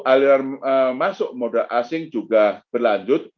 aliran masuk modal asing juga berlanjut